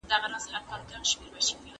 يادونه د ښوونکي له خوا کېږي،